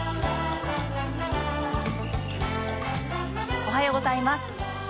おはようございます。